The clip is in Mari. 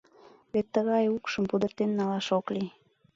Вет тыгай укшым пудыртен налаш ок лий...